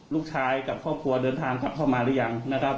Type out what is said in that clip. ลูกชายกับครอบครัวเดินทางกลับเข้ามาหรือยังนะครับ